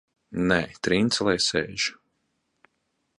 Nē, Trince lai sēž!